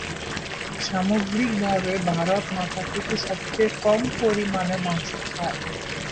সামগ্রিকভাবে, ভারত মাথাপিছু সবচেয়ে কম পরিমাণে মাংস খায়।